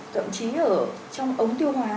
thậm chí ở trong ống tiêu hóa